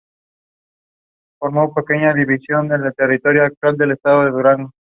Se localiza en la región centro-este del país.